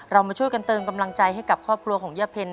เรามาช่วยกันเติมกำลังใจให้กับครอบครัวของย่าเพ็ญ